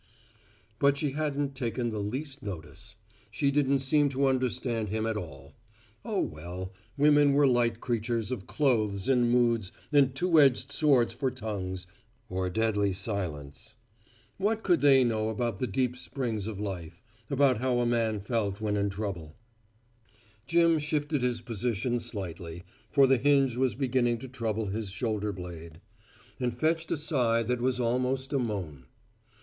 But she hadn't taken the least notice. She didn't seem to understand him at all. Oh, well women were light creatures of clothes and moods and two edged swords for tongues or deadly silence. What could they know about the deep springs of life about how a man felt when in trouble? Jim shifted his position slightly, for the hinge was beginning to trouble his shoulder blade, and fetched a sigh that was almost a moan.